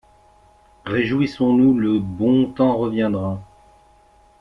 Réjouissons-nous, le bon temps reviendra!